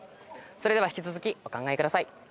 それでは引き続きお考えください。